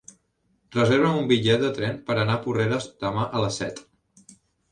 Reserva'm un bitllet de tren per anar a Porreres demà a les set.